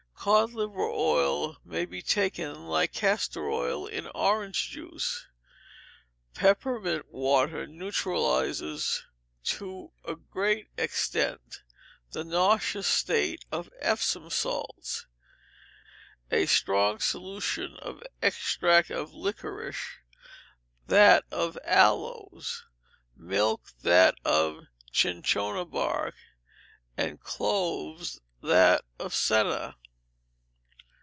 Cod liver oil may be taken, like castor oil, in orange juice. Peppermint water neutralizes, to a great extent, the nauseous taste of Epsom salts; a strong solution of extract of liquorice, that of aloes; milk, that of cinchona bark; and cloves that of senna.